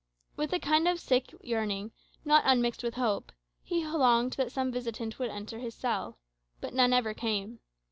With a kind of sick yearning, not unmixed with hope, he longed that some visitant would enter his cell. But none ever came.